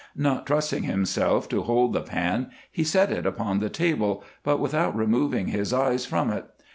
Not trusting himself to hold the pan, he set it upon the table, but without removing his eyes from it.